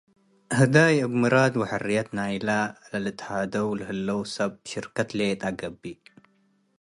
ህዳይ እብ ምራድ ወሕርየት ናይለ ልትሃደው ለህለው ሰብ ሽርከት ሌጠ ገብእ።